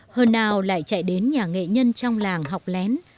hơn nào lại chạy đến nhà nghệ nhân trong làng học lén